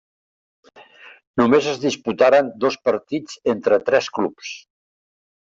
Només es disputaren dos partits entre tres clubs.